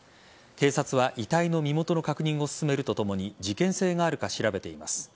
警察は遺体の身元の確認を進めるとともに事件性があるか調べています。